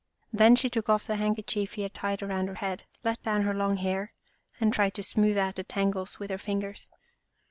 Then she took off the hand kerchief he had tied about her head, let down her long hair and tried to smooth out the tangles with her fingers.